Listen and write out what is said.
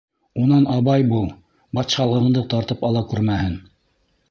Унан абай бул, батшалығыңды тартып ала күрмәһен!